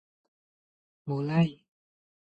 Mulai.